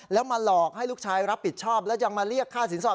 แล้วมาหลอกให้ลูกชายรับผิดชอบและยังมาเรียกค่าสินสอด